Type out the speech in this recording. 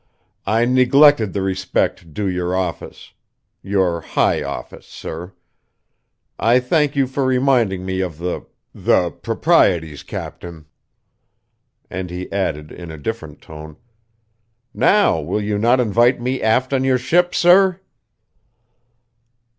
"I neglected the respect due your office. Your high office, sir. I thank you for reminding me of the the proprieties, Captain." And he added, in a different tone, "Now will you not invite me aft on your ship, sir?"